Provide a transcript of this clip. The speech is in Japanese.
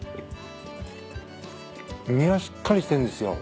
身がしっかりしてるんですよ。